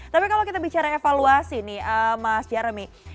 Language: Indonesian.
tapi kalau kita bicara evaluasi nih mas jeremy